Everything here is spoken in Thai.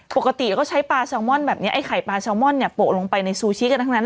ปกติก็ใช้ปลาซาวม่อนแบบนี้ไข่ปลาซาวม่อนโปะลงไปในซูชิกันทั้งนั้น